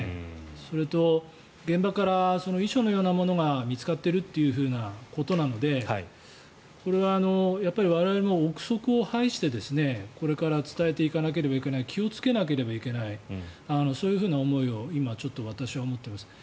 それと、現場から遺書のようなものが見つかっているということなのでこれは我々も臆測を排してこれから伝えていかなければいけない気をつけなければいけないそういうふうな思いを今、私は思っています。